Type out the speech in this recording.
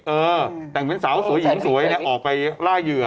เออแต่งเหมือนสาวสวยหญิงสวยเนี่ยออกไปล่าเหยื่อ